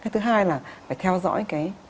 thứ hai là phải theo dõi